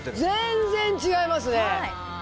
全然違いますね。